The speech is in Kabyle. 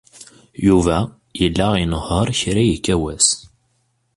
Yuba yella inehheṛ kra yekka wass.